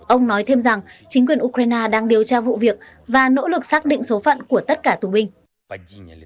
ông nói thêm rằng chính quyền ukraine đang điều tra vụ việc và nỗ lực xác định số phận của tất cả tù binh